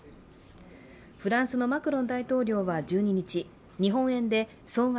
フランスのマクロン大統領は１２日、日本円で総額